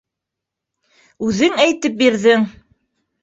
Үҙең әйтеп бирҙең.